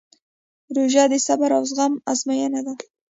روژه د صبر او زغم ازموینه ده.